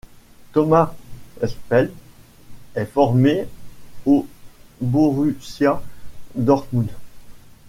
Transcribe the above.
Thomas Eisfeld est formé au Borussia Dortmund.